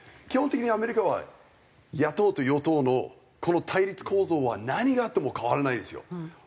基本的にアメリカは野党と与党のこの対立構造は何があっても変わらないんですよ。